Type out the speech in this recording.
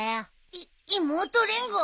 い妹連合？